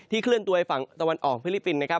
เคลื่อนตัวไปฝั่งตะวันออกฟิลิปปินส์นะครับ